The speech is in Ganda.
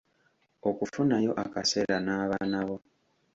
Okufunayo akaseera n’abaanabo.